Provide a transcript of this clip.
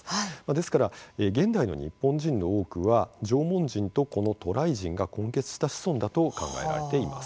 ですから、現代の日本人の多くは縄文人と、この渡来人が混血した子孫だと考えられています。